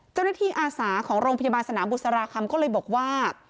อาสาของโรงพยาบาลสนามบุษราคำก็เลยบอกว่า